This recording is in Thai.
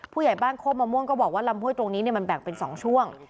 ผู้ใหญ่บ้านโคกมะม่วงก็บอกว่าลำห้วยตรงนี้มันแบ่งเป็น๒ช่วง